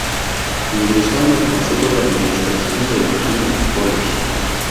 Ingresó en el Consejo de Administración del Oberlin College.